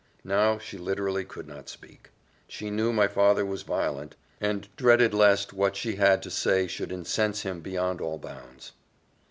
Now she literally could not speak; she knew my father was violent, and dreaded lest what she had to say should incense him beyond all bounds.